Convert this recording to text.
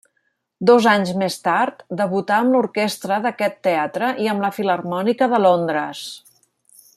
Dos anys més tard, debutà amb l'orquestra d'aquest teatre i amb la Filharmònica de Londres.